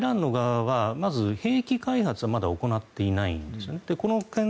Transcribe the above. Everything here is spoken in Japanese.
ただ、イランの側はまず、兵器開発はまだ行っていないんですね。